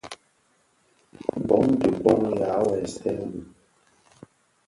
Bông di bông yàa weesën bi.